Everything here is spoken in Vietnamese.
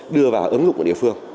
đưa vào ứng dụng của địa phương